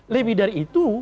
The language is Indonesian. lebih dari itu